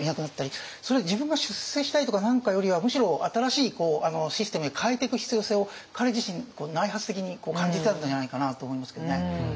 それは自分が出世したいとか何かよりはむしろ新しいシステムに変えてく必要性を彼自身内発的に感じたんじゃないかなと思いますけどね。